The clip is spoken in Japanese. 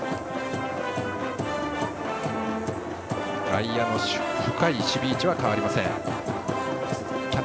外野の深い守備位置は変わりません。